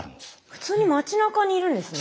普通に街なかにいるんですね。